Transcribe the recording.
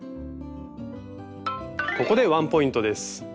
ここでワンポイントです。